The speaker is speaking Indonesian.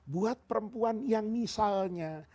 buat perempuan yang misalnya